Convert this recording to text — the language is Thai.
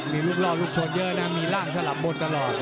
มีลูกล่อลูกชนเยอะนะมีร่างสลับบนตลอด